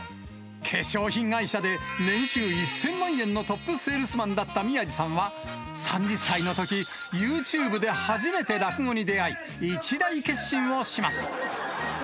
化粧品会社で年収１０００万円のトップセールスマンだった宮治さんは、３０歳のとき、ユーチューブで初めて落語に出会い、一大決心をします。